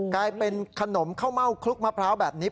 กลายเป็นขนมข้าวเม่าคลุกมะพร้าวแบบนี้